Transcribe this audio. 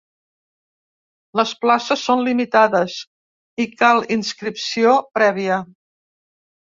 Les places són limitades i cal inscripció prèvia.